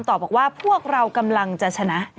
บอกว่าพวกเรากำลังจะชนะ